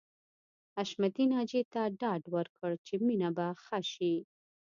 حشمتي ناجیې ته ډاډ ورکړ چې مينه به ښه شي